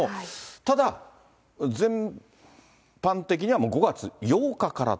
ただ、全般的にはもう５月８日からと。